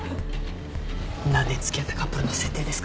何年付き合ったカップルの設定ですか？